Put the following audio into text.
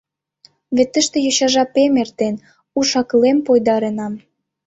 Вет тыште йоча жапем эртен, уш-акылем пойдаренам.